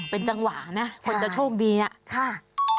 เป็นจังหวะนะคนจะโชคดีอะ